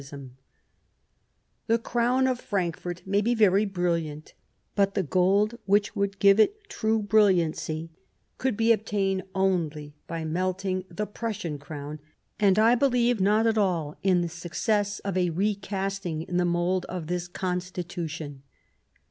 29 Bismarck The crown of Frankfort may be very brilliant, but the gold which would give it true brilliancy could be obtained only by melting the Prussian crown, and I believe not at all in the success of a recasting in the mould of this Constitution."